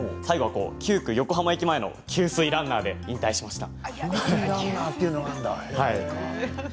９区の横浜の給水ランナーで引退しました。